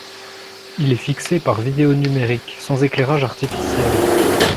Il est fixé par vidéo numérique, sans éclairage artificiel.